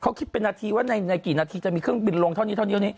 เขาคิดเป็นนาทีว่าในกี่นาทีจะมีเครื่องบินลงเท่านี้เท่านี้